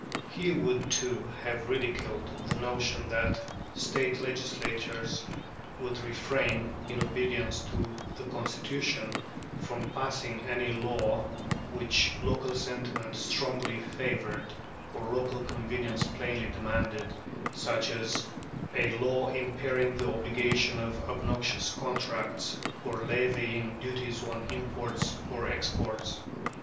He would, too, have ridiculed the notion that State legislatures would refrain, in obedience to the Constitution, from passing any law which local sentiment strongly favoured or local convenience plainly demanded, such as a law impairing the obligation of obnoxious contracts, or levying duties on imports or exports.